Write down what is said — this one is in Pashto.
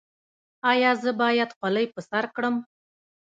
ایا زه باید خولۍ په سر کړم؟